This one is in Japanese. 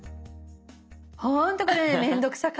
ほんとこれね面倒くさかったの。